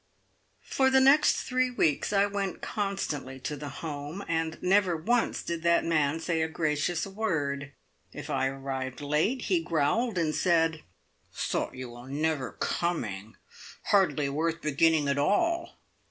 For the next three weeks I went constantly to the Home, and never once did that man say a gracious word. If I arrived late, he growled and said, "Thought you were never coming! Hardly worth beginning at all."